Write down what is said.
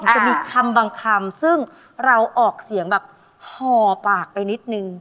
จะมีคำบางคำซึ่งเราออกเสียงแบบห่อปากไปนิดนึง